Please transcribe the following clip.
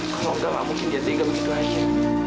kalau enggak mak mungkin dia tinggal begitu aja